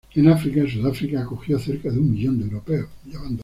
En África, Sudáfrica acogió cerca de un millón de europeos.